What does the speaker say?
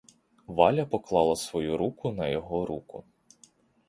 Валя поклала свою руку на його руку.